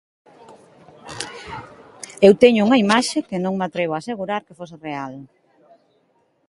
Eu teño unha imaxe que non me atrevo a asegurar que fose real.